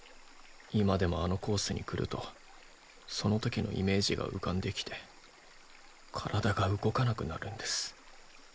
今でもあのコースにくるとその時のイメージが浮かんできて体が動かなくなるんです。